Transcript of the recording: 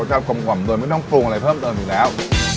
รสชาติกลมกว่ำโดยไม่ต้องปรุงอะไรเพิ่มเติมอีกแล้ว